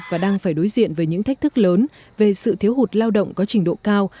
và đang phải đối diện với những thách thức lớn về sự thiếu hụt lao động có trình độ cao